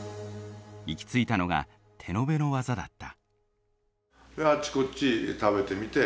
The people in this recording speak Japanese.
行き着いたのが手延べの技だった。